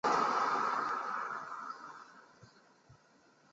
祖父杜思贤。